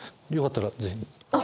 よかったらぜひ。